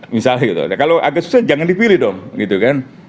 misalnya gitu kalau agak susah jangan dipilih dong